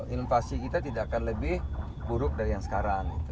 invasi kita tidak akan lebih buruk dari yang sekarang